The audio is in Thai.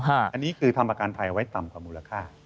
อันนี้คือทำประกันภัยเอาไว้ต่ำกว่ามูลค่า